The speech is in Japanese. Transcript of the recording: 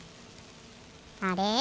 あれ？